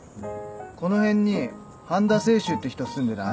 この辺に半田清舟って人住んでない？